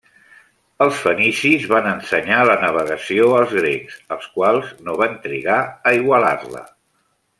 Els fenicis van ensenyar la navegació als grecs, els quals no van trigar a igualar-la.